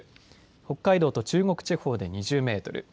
北海道と中国地方で２０メートル